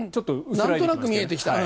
なんとなく見えてきた。